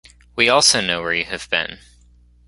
We also know where you have been.